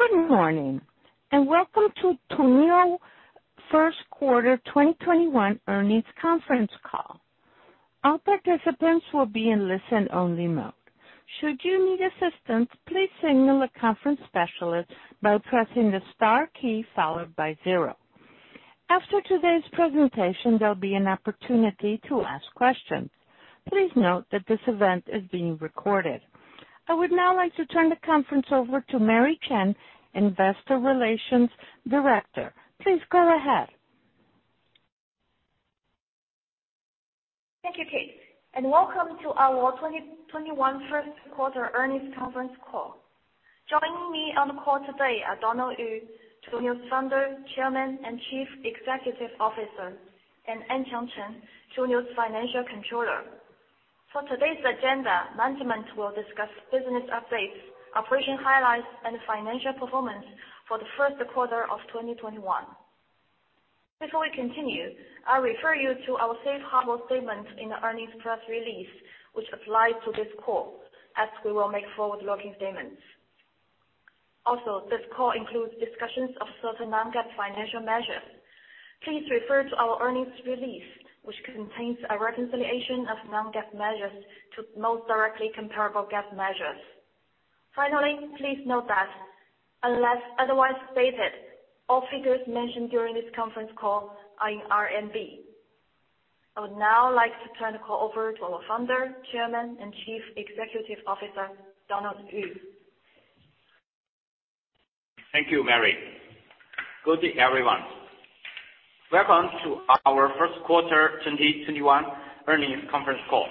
Good morning, welcome to Tuniu First Quarter 2021 Earnings Conference Call. All participants will be in listen only mode. After today's presentation, there'll be an opportunity to ask questions. Please note that this event is being recorded. I would now like to turn the conference over to Mary Chen, Investor Relations Director. Please go ahead. Thank you, Kate, welcome to our 2021 First Quarter Earnings Conference Call. Joining me on the call today are Donald Yu, Tuniu's Founder, Chairman, and Chief Executive Officer, and Anqiang Chen, Tuniu's Financial Controller. For today's agenda, management will discuss business updates, operation highlights, and financial performance for the first quarter of 2021. Before we continue, I'll refer you to our safe harbor statement in the earnings press release, which applies to this call, as we will make forward-looking statements. This call includes discussions of certain non-GAAP financial measures. Please refer to our earnings release, which contains a reconciliation of non-GAAP measures to most directly comparable GAAP measures. Please note that, unless otherwise stated, all figures mentioned during this conference call are in RMB. I would now like to turn the call over to our Founder, Chairman, and Chief Executive Officer, Donald Yu. Thank you, Mary. Good day, everyone. Welcome to our first quarter 2021 earnings conference call.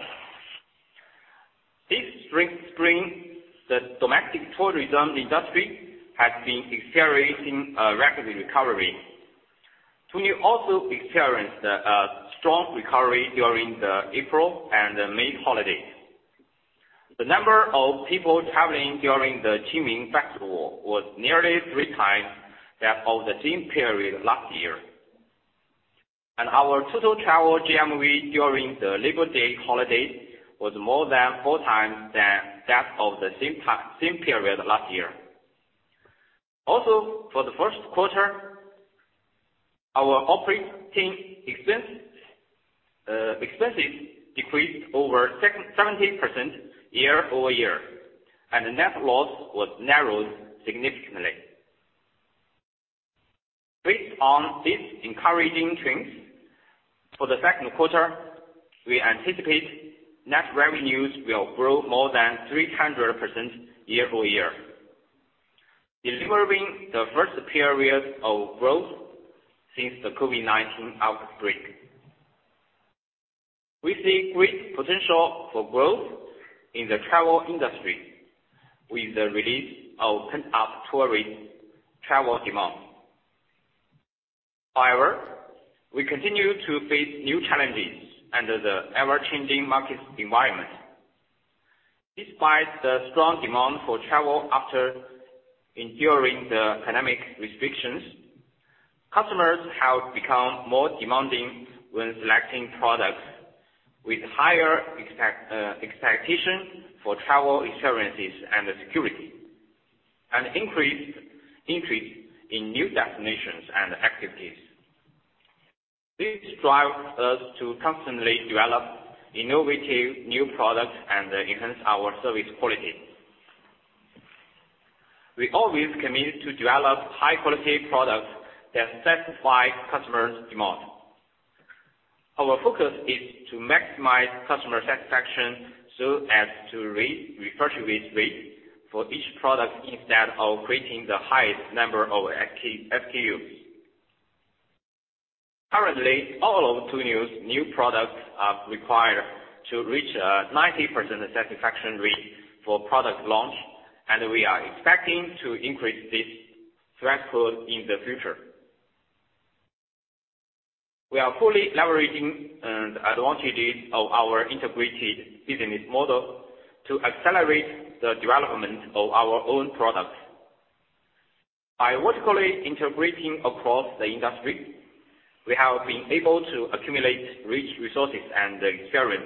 This spring, the domestic tourism industry has been experiencing a rapid recovery. We also experienced a strong recovery during the April and May holidays. The number of people traveling during the Qingming Festival was nearly three times that of the same period last year. Our total travel GMV during the Labor Day holiday was more than four times that of the same period last year. For the first quarter, our operating expenses decreased over 70% year-over-year, and the net loss was narrowed significantly. Based on these encouraging trends, for the second quarter, we anticipate net revenues will grow more than 300% year-over-year, delivering the first period of growth since the COVID-19 outbreak. We see great potential for growth in the travel industry with the release of pent-up travel demand. However, we continue to face new challenges under the ever-changing market environment. Despite the strong demand for travel after enduring the pandemic restrictions, customers have become more demanding when selecting products, with higher expectations for travel experiences and security, and increase in new destinations and activities. This drives us to constantly develop innovative new products and enhance our service quality. We always commit to develop high-quality products that satisfy customers' demands. Our focus is to maximize customer satisfaction so as to raise repeat rates for each product instead of creating the highest number of SKUs. Currently, all of Tuniu's new products are required to reach a 90% satisfaction rate for product launch, and we are expecting to increase this threshold in the future. We are fully leveraging advantages of our integrated business model to accelerate the development of our own products. By vertically integrating across the industry, we have been able to accumulate rich resources and experience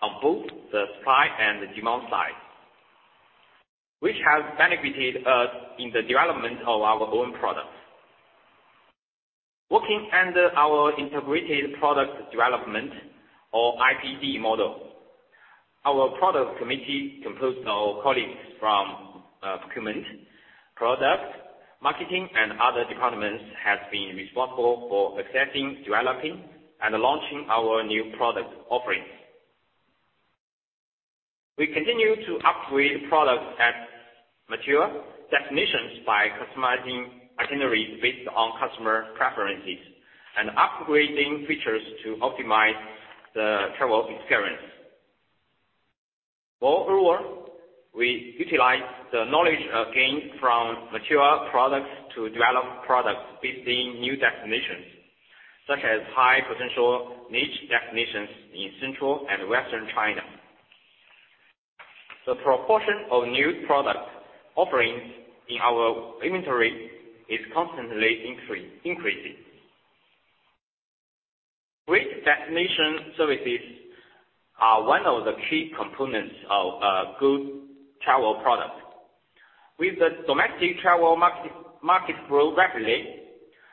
on both the supply and demand side, which has benefited us in the development of our own products. Working under our Integrated Product Development or IPD model, our product committee includes now colleagues from procurement, product, marketing, and other departments have been responsible for accepting, developing, and launching our new product offerings. We continue to upgrade products at mature destinations by customizing itineraries based on customer preferences and upgrading features to optimize the travel experience. Moreover, we utilize the knowledge gained from mature products to develop products based in new destinations, such as high-potential niche destinations in central and western China. The proportion of new product offerings in our inventory is constantly increasing. Destination services are one of the key components of a good travel product. With the domestic travel market growing rapidly,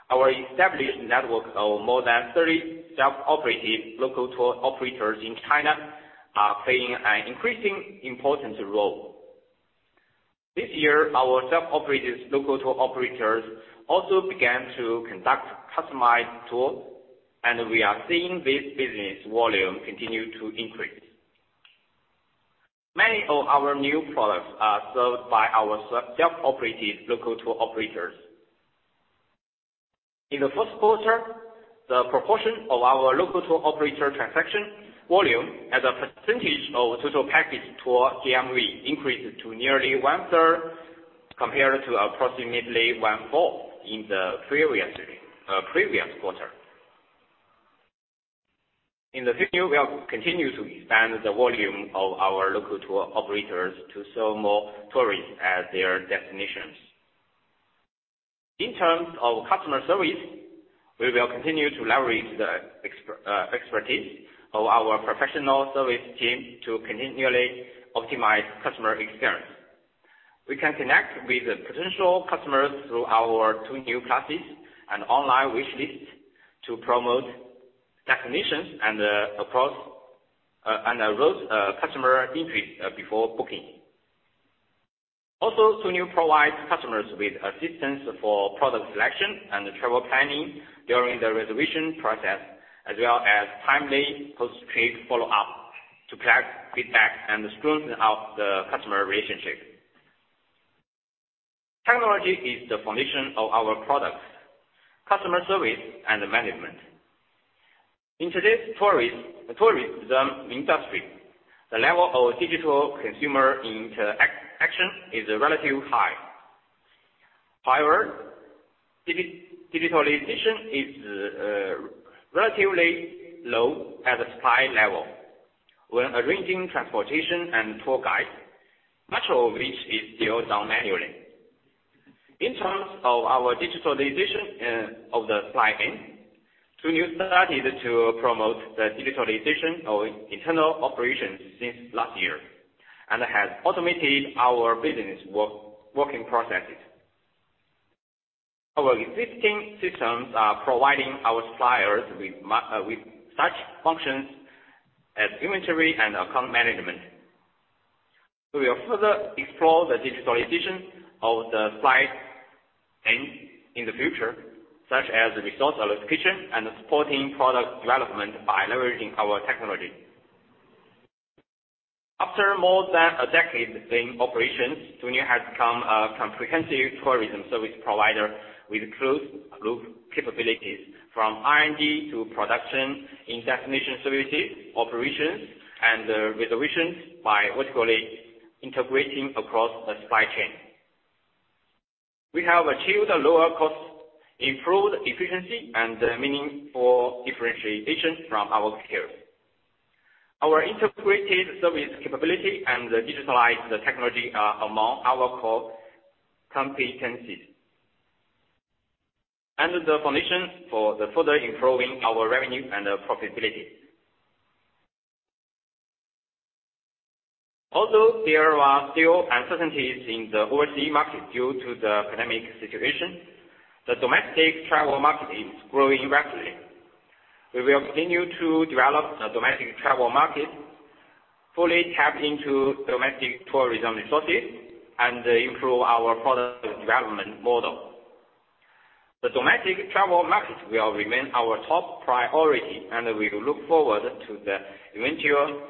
our established network of more than 30 self-operated local tour operators in China are playing an increasingly important role. This year, our self-operated local tour operators also began to conduct customized tours, and we are seeing this business volume continue to increase. Many of our new products are served by our self-operated local tour operators. In the first quarter, the proportion of our local tour operator transaction volume as a percentage of total package tour GMV increased to nearly one-third compared to approximately one-fourth in the previous quarter. In the future, we will continue to expand the volume of our local tour operators to serve more tourists at their destinations. In terms of customer service, we will continue to leverage the expertise of our professional service team to continually optimize customer experience. We can connect with potential customers through our Tuniu classes and online wish lists to promote destinations and arouse customer interest before booking. Tuniu provides customers with assistance for product selection and travel planning during the reservation process, as well as timely post-trip follow-up to collect feedback and strengthen our customer relationships. Technology is the foundation of our products, customer service, and management. In today's tourism industry, the level of digital consumer interaction is relatively high. Digitalization is relatively low at the supply level when arranging transportation and tour guides, much of which is still done manually. In terms of our digitalization of the supply chain, Tuniu started to promote the digitalization of internal operations since last year and has automated our business working processes. Our existing systems are providing our suppliers with such functions as inventory and account management. We will further explore the digitalization of the supply chain in the future, such as resource allocation and supporting product development by leveraging our technology. After more than a decade in operations, Tuniu has become a comprehensive tourism service provider with closed-loop capabilities from R&D to production in destination services, operations, and reservations by vertically integrating across the supply chain. We have achieved lower costs, improved efficiency, and meaningful differentiation from our peers. Our integrated service capability and digitalized technology are among our core competencies and the foundation for further improving our revenue and profitability. Although there are still uncertainties in the overseas market due to the pandemic situation, the domestic travel market is growing rapidly. We will continue to develop the domestic travel market, fully tap into domestic tourism resources, and improve our product development model. The domestic travel market will remain our top priority, and we look forward to the eventual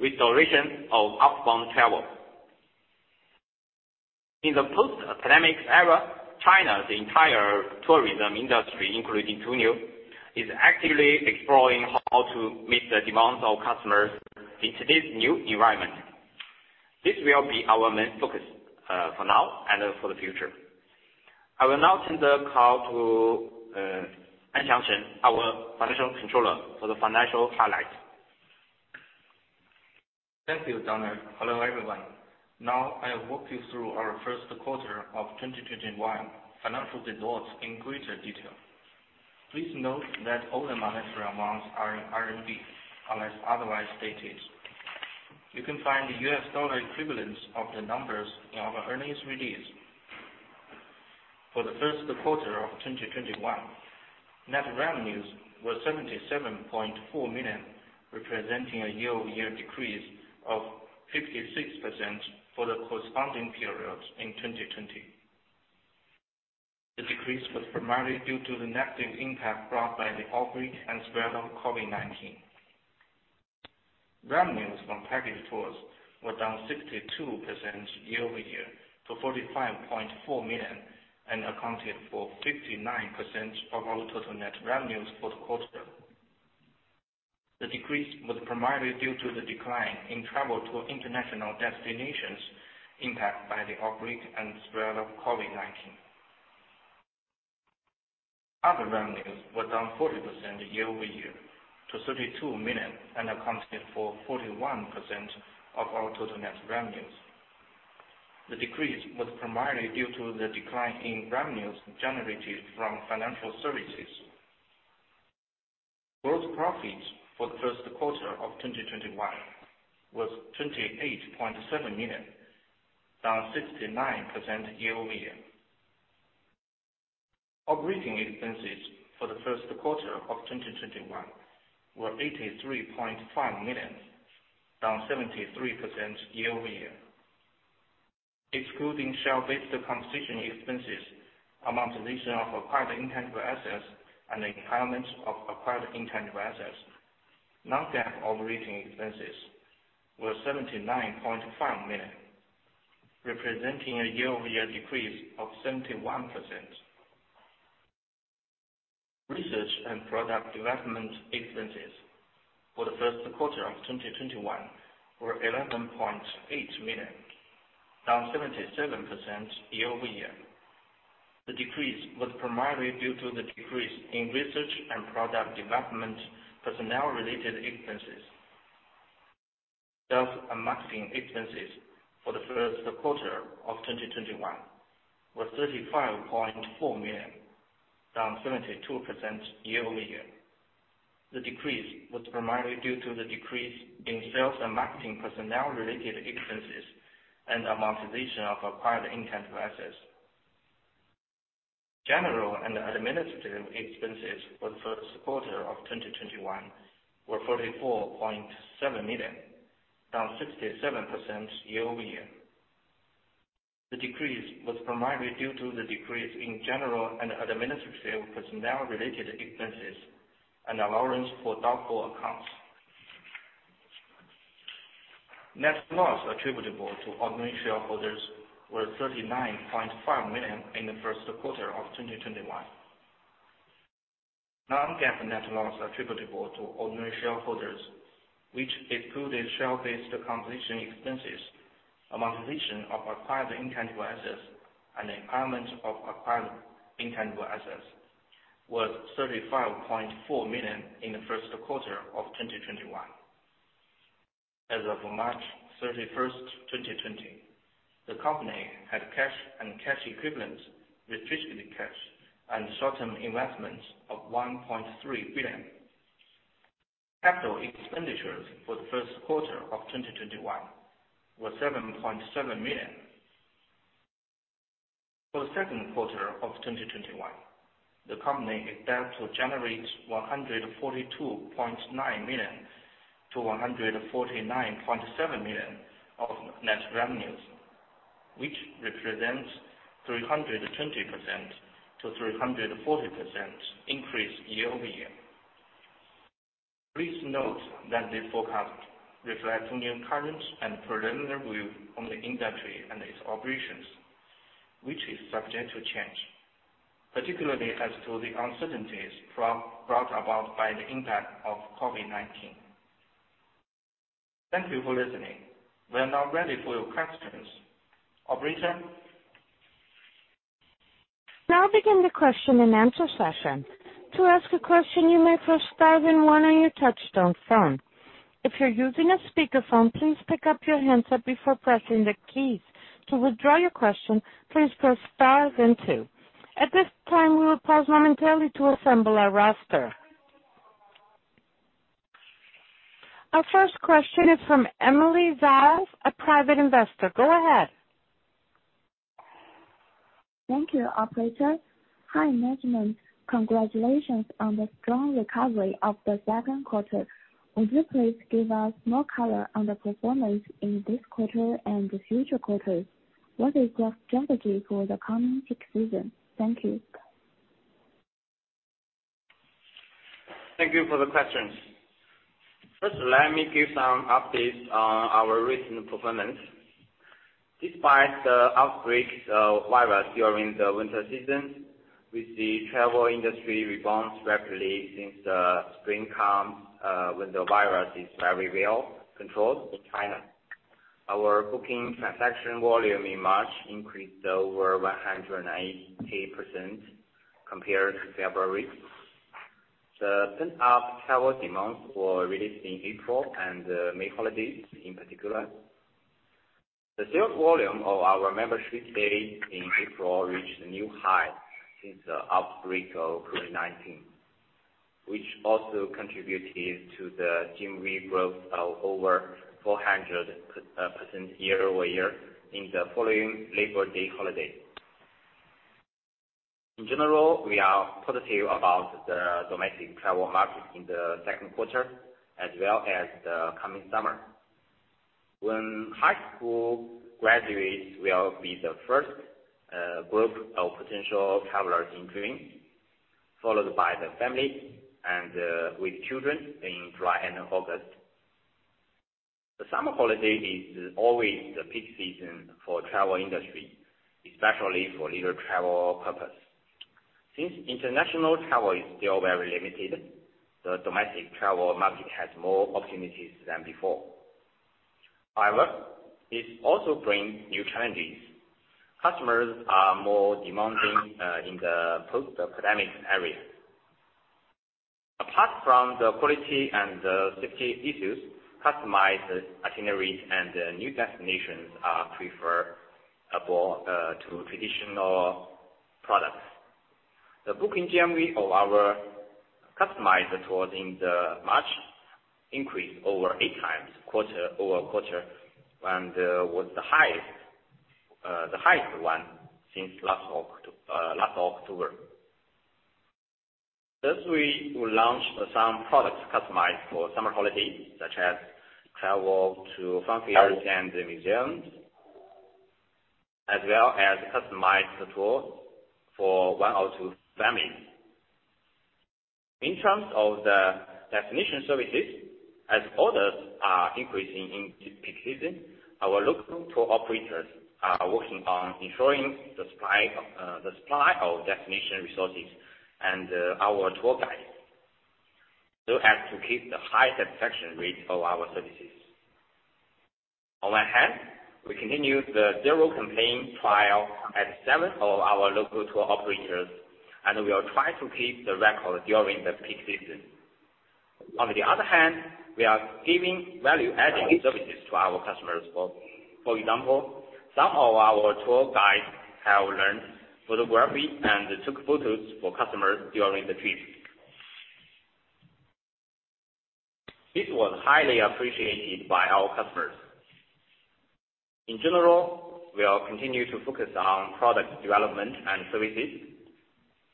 restoration of outbound travel. In the post-pandemic era, China's entire tourism industry, including Tuniu, is actively exploring how to meet the demands of customers in today's new environment. This will be our main focus for now and for the future. I will now turn the call to Anqiang Chen, our Financial Controller, for the financial highlights. Thank you, Donald. Hello, everyone. Now I'll walk you through our first quarter of 2021 financial results in greater detail. Please note that all the monetary amounts are in RMB unless otherwise stated. You can find the U.S. dollar equivalents of the numbers in our earnings release. For the first quarter of 2021, net revenues were 77.4 million, representing a year-over-year decrease of 56% for the corresponding period in 2020. The decrease was primarily due to the negative impact brought by the outbreak and spread of COVID-19. Revenues from package tours were down 62% year-over-year to 45.4 million and accounted for 59% of our total net revenues for the quarter. The decrease was primarily due to the decline in travel to international destinations impacted by the outbreak and spread of COVID-19. Other revenues were down 40% year-over-year to 32 million and accounted for 41% of our total net revenues. The decrease was primarily due to the decline in revenues generated from financial services. Gross profits for the first quarter of 2021 was 28.7 million, down 69% year-over-year. Operating expenses for the first quarter of 2021 were 83.5 million, down 73% year-over-year. Excluding share-based compensation expenses, amortization of acquired intangible assets, and impairment of acquired intangible assets, non-GAAP operating expenses were 79.5 million, representing a year-over-year decrease of 71%. Research and product development expenses for the first quarter of 2021 were 11.8 million, down 77% year-over-year. The decrease was primarily due to the decrease in research and product development personnel-related expenses. Sales and marketing expenses for the first quarter of 2021 were 35.4 million, down 72% year-over-year. The decrease was primarily due to the decrease in sales and marketing personnel-related expenses and amortization of acquired intangible assets. General and administrative expenses for the first quarter of 2021 were 44.7 million, down 67% year-over-year. The decrease was primarily due to the decrease in general and administrative personnel-related expenses and allowance for doubtful accounts. Net loss attributable to ordinary shareholders was 39.5 million in the first quarter of 2021. Non-GAAP net loss attributable to ordinary shareholders, which excluded share-based compensation expenses, amortization of acquired intangible assets, and impairment of acquired intangible assets, was 35.4 million in the first quarter of 2021. As of March 31st, 2021, the company had cash and cash equivalents, restricted cash, and short-term investments of 1.3 billion. Capital expenditures for the first quarter of 2021 were 7.7 million. For the second quarter of 2021, the company expects to generate 142.9 million-149.7 million of net revenues, which represents 320%-340% increase year-over-year. Please note that this forecast reflects only our current and preliminary view on the industry and its operations, which is subject to change, particularly as to the uncertainties brought about by the impact of COVID-19. Thank you for listening. We are now ready for your questions. Operator? We'll now begin the question-and-answer session. To ask a question you may press star then one on your touchtone phone, if you are using a speaker phone, please pick up your handset before pressing the keys. To withdraw your question, please press star then two, at this time, we will pause momentarily to assemble our roster. Our first question is from Emily Zaz, a private investor. Go ahead. Thank you, operator. Hi, management. Congratulations on the strong recovery of the second quarter. Would you please give us more color on the performance in this quarter and the future quarters? What is the strategy for the coming peak season? Thank you. Thank you for the question. First, let me give some updates on our recent performance. Despite the outbreak of virus during the winter season, with the travel industry rebounds rapidly since the spring comes when the virus is very well controlled in China. Our booking transaction volume in March increased over 190% compared to February. The pent-up travel demand were released in April and the May holidays in particular. The total volume of our membership stays in April reached a new high since the outbreak of COVID-19, which also contributed to the GMV growth of over 400% year-over-year in the following Labor Day holiday. In general, we are positive about the domestic travel market in the second quarter as well as the coming summer. When high school graduates will be the first group of potential travelers in June, followed by the families with children in July and August. The summer holiday is always the peak season for travel industry, especially for leisure travel purpose. Since international travel is still very limited, the domestic travel market has more opportunities than before. However, this also brings new challenges. Customers are more demanding in the post-pandemic era. Apart from the quality and the safety issues, customized itineraries and new destinations are preferable to traditional products. The booking GMV of our customized tours in March increased over eight times quarter-over-quarter and was the highest one since last October. This week, we launched some products customized for summer holidays, such as travel to fun fairs and museums, as well as customized tours for one or two families. In terms of the destination services, as orders are increasing in peak season, our local tour operators are working on ensuring the supply of destination resources and our tour guides so as to keep the high satisfaction rate of our services. On one hand, we continue the zero-complaint trial at seven of our local tour operators, and we are trying to keep the record during the peak season. On the other hand, we are giving value-added services to our customers. For example, some of our tour guides have learned photography and took photos for customers during the trip. This was highly appreciated by our customers. In general, we are continuing to focus on product development and services,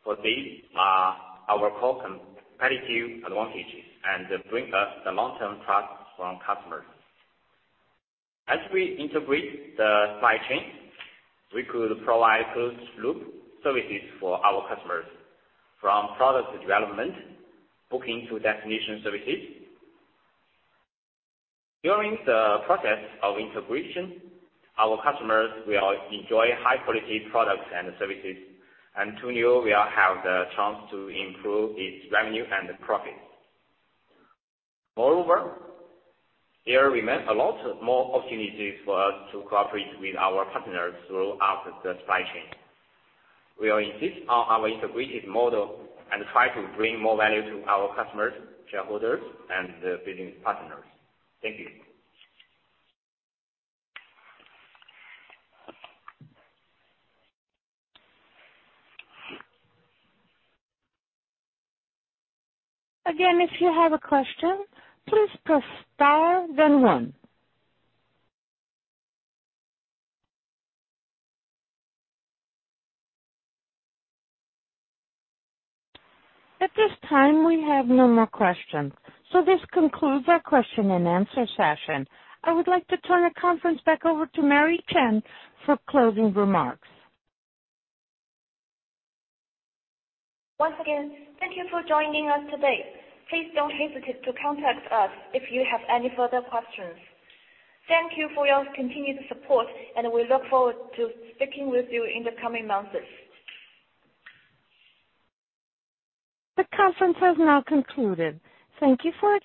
for these are our core competitive advantages and bring us the long-term trust from customers. As we integrate the supply chain, we could provide closed-loop services for our customers from product development, booking to destination services. During the process of integration, our customers will enjoy high-quality products and services, and Tuniu will have the chance to improve its revenue and profit. Moreover, there remains a lot more opportunities for us to cooperate with our partners throughout the supply chain. We will insist on our integrated model and try to bring more value to our customers, shareholders, and business partners. Thank you. If you have a question, please press star then one. At this time, we have no more questions. This concludes our question-and-answer session. I would like to turn the conference back over to Mary Chen for closing remarks. Once again, thank you for joining us today. Please don't hesitate to contact us if you have any further questions. Thank you for your continued support, and we look forward to speaking with you in the coming months. The conference has now concluded. Thank you for attending.